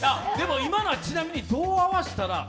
今のはちなみにどう合わせたら？